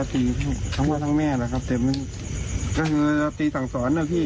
ราตรีที่ทั้งคนทั้งแม่หรอครับเต็มก็คือราตรีสั่งสอนอ่ะพี่